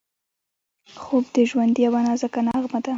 خوب د ژوند یوه نازکه نغمه ده